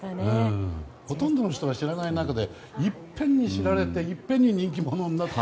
ほとんどの人が知らない中でいっぺんに知られていっぺんに人気者になって。